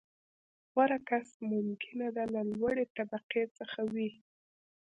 • غوره کس ممکنه ده، له لوړې طبقې څخه وي.